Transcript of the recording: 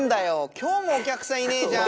今日もお客さんいねえじゃん。